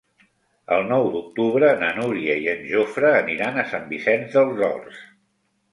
El nou d'octubre na Núria i en Jofre aniran a Sant Vicenç dels Horts.